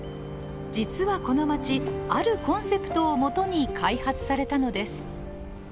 実はこの町、あるコンセプトを元に開発されたのです。